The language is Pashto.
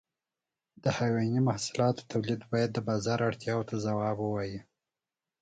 د حيواني محصولاتو تولید باید د بازار اړتیاو ته ځواب ووایي.